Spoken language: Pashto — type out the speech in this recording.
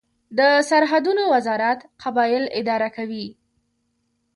د سرحدونو وزارت قبایل اداره کوي